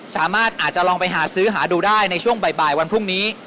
อาจจะลองไปหาซื้อหาดูได้ในช่วงบ่ายวันพรุ่งนี้